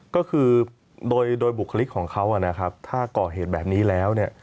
ก็คือโดยบุคลิกของเขาถ้าก่อเหตุแบบนี้แล้ว